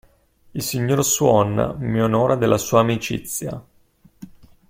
Il signor Swan mi onora della sua amicizia.